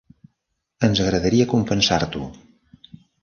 Ens agradaria compensar-t'ho.